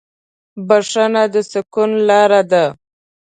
بښنه د سکون لاره ده.